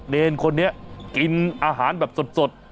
เนรคนนี้กินอาหารแบบสด